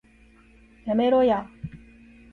やめろや